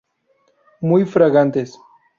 Muy fragantes.